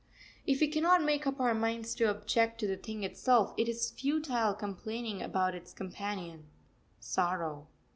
If we cannot make up our minds to object to the thing itself, it is futile complaining about its companion, sorrow.